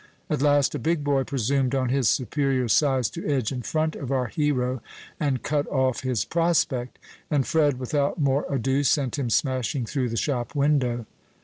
At last a big boy presumed on his superior size to edge in front of our hero, and cut off his prospect; and Fred, without more ado, sent him smashing through the shop window.